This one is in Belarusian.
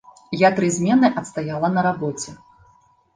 Я тры змены адстаяла на рабоце.